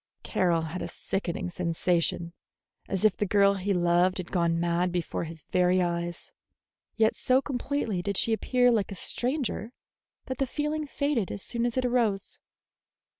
Carroll had a sickening sensation, as if the girl he loved had gone mad before his very eyes; yet so completely did she appear like a stranger that the feeling faded as soon as it arose.